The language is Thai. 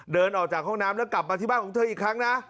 เดินออกจากห้องน้ำแล้วกลับมาที่บ้านของเธออีกครั้งนะ